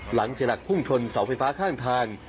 หลังเสียลักษณ์พุ่งชนเสาไฟฟ้าข้างทาง